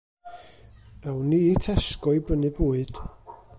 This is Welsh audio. Awn ni i Tesco i brynu bwyd.